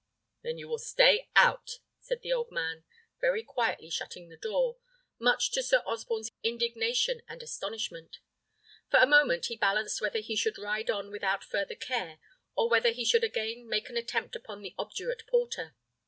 "Then you will stay out," said the old man, very quietly shutting the door, much to Sir Osborne's indignation and astonishment. For a moment, he balanced whether he should ride on without farther care, or whether he should again make an attempt upon the obdurate porter.